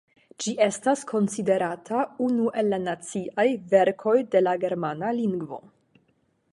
Ĝi estas konsiderata unu el la naciaj verkoj de la germana lingvo.